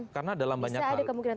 karena dalam banyak hal